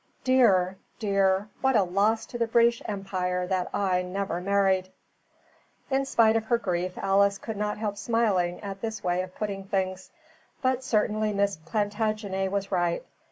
Dear! dear, what a loss to the British Empire that I never married." In spite of her grief Alice could not help smiling at this way of putting things. But certainly Miss Plantagenet was right.